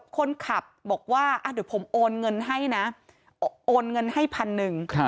คนขับบอกว่าเดี๋ยวผมโอนเงินให้นะโอนเงินให้พันหนึ่ง